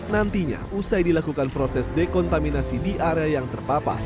nantinya usai dilakukan proses dekontaminasi di area yang terpapar